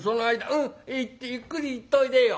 「うんゆっくり行っといでよ。